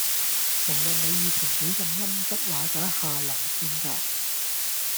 無論你以前幾咁陰騭嗱喳下流賤格